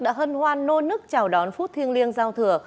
đã hân hoan nô nức chào đón phút thiêng liêng giao thừa